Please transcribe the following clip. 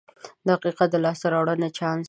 • دقیقه د لاسته راوړنې چانس دی.